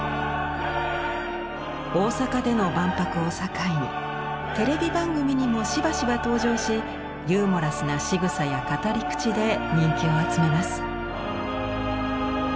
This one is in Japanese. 大阪での万博を境にテレビ番組にもしばしば登場しユーモラスなしぐさや語り口で人気を集めます。